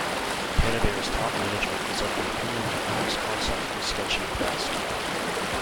Canadair's top management was of the opinion that Lear's concept was sketchy at best.